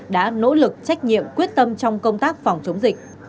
đã nỗ lực trách nhiệm quyết tâm trong công tác phòng chống dịch